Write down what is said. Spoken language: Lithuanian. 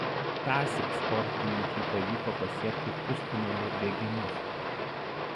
Tąsyk sportininkei pavyko pasiekti pusfinalių bėgimus.